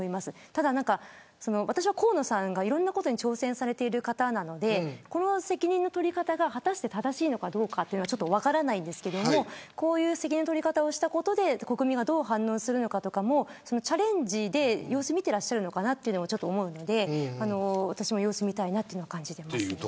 ただ、河野さんがいろんなことに挑戦されてる方なのでこの責任の取り方が正しいのかどうか分からないんですけどこういう責任の取り方をしたことで国民がどう反応するのかもチャレンジで様子を見ていらっしゃるのかなと思うので私も様子を見たいと感じています。